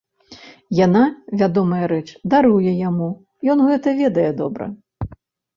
Яна, вядомая рэч, даруе яму, ён гэта ведае добра.